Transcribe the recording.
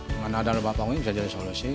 dengan adan rumah panggung ini bisa jadi solusi